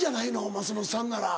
松本さんなら。